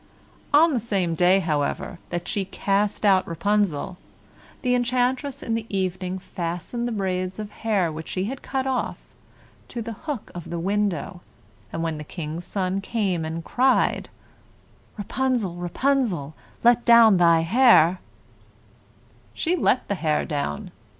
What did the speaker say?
On the same day, however, that she cast out Rapunzel, the enchantress in the evening fastened the braids of hair which she had cut off to the hook of the window, and when the King's son came and cried, "Rapunzel, Rapunzel, Let down your hair," she let the hair down.